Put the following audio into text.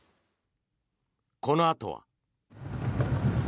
このあとは。